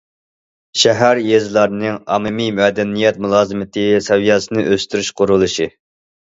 شەھەر، يېزىلارنىڭ ئاممىۋى مەدەنىيەت مۇلازىمىتى سەۋىيەسىنى ئۆستۈرۈش قۇرۇلۇشى.